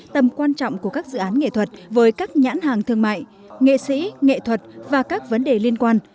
tầm quan trọng của các dự án nghệ thuật với các nhãn hàng thương mại nghệ sĩ nghệ thuật và các vấn đề liên quan